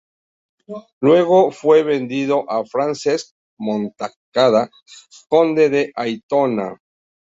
Luego fue vendido a Francesc Montcada, conde de Aitona.